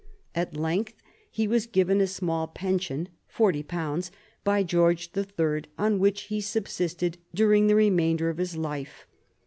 At length he was given a small pension, £40, by George III, on which he subsisted during the remainder of his life.